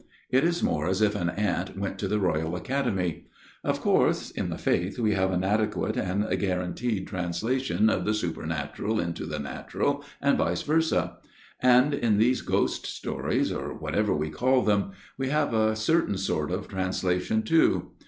It is more as if an ant went to the Royal Academy. ... Of course in the faith we have an adequate and guaranteed translation of the supernatural into the natural, and vice versa ; and in these ghost stories, or whatever we call them, we have a certain sort of translation too.